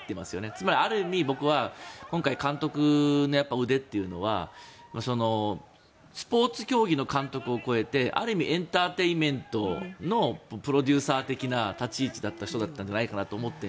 つまり、ある意味、僕は今回、監督の腕というのはスポーツ競技の監督を超えてある意味エンターテインメントのプロデューサーみたいな立ち位置だった人だったんじゃないかと思っていて。